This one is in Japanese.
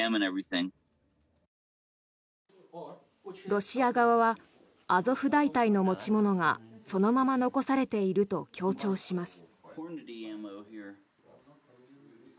ロシア側はアゾフ大隊の持ち物がそのまま残されていると強調します。